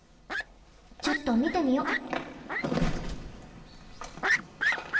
ちょっとみてみよっ。